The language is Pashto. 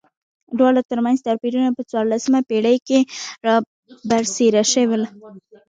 دواړو ترمنځ توپیرونه په څوارلسمه پېړۍ کې را برسېره شول.